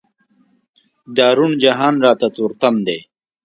دا روڼ جهان راته تور تم دی.